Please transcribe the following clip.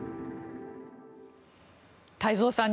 太蔵さん